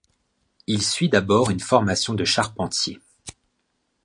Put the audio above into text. Il suit d'abord une formation de charpentier.